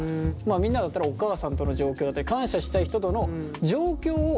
みんなだったらお母さんとの状況だったり感謝したい人の状況を。